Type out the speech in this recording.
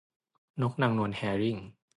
นกนางนวลแฮร์ริ่ง